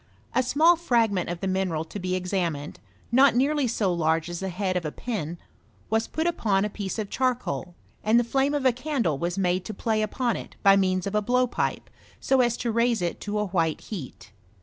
A small fragment of the mineral to be examined, not nearly so large as the head of a small pin, was put upon a piece of charcoal, and the flame of a candle was made to play upon it by means of a blowpipe, so as to raise it to a white heat.